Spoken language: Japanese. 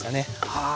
はあ！